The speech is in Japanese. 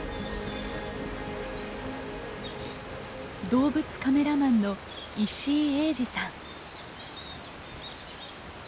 動物カメラマンの石井英二さん。